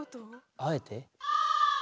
あえて？